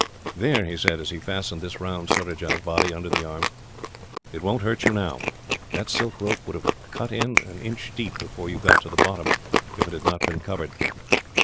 "There," he said, as he fastened this round Surajah's body, under the arms. "It won't hurt you, now. That silk rope would have cut in an inch deep before you got to the bottom, if it had not been covered."